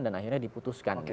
dan akhirnya diputuskan